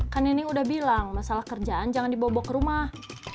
kan ini udah bilang masalah kerjaan jangan dibawa ke rumah